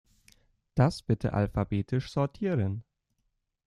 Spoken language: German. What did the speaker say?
Das bitte alphabetisch sortieren.